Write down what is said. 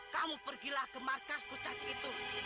kamu pergilah ke markas kucaci itu